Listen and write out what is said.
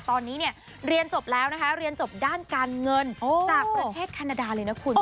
ตอนนี้เนี่ยเรียนจบแล้วนะคะเรียนจบด้านการเงินจากประเทศแคนาดาเลยนะคุณ